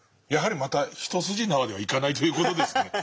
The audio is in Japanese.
やはりまた一筋縄ではいかないという事ですね